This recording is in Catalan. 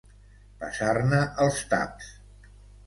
Passar-ne els taps.